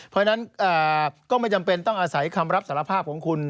เพราะฉะนั้นก็ไม่จำเป็นต้องอาศัยคำรับสารภาพของคุณ